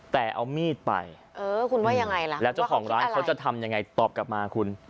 แต่เอามีดไปเออคุณว่ายังไงล่ะแล้วเจ้าของร้านเขาจะทำยังไงตอบกลับมาคุณ